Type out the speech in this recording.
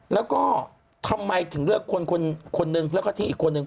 แล้วก็ทำไมถึงเลือกคนคนหนึ่งแล้วก็ที่อีกคนนึง